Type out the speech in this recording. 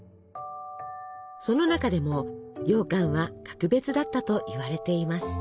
その中でもようかんは格別だったといわれています。